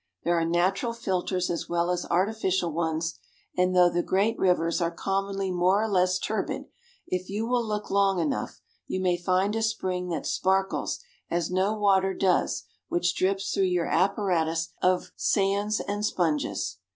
There are natural filters as well as artificial ones; and though the great rivers are commonly more or less turbid, if you will look long enough, you may find a spring that sparkles as no water does which drips through your apparatus of sands and sponges.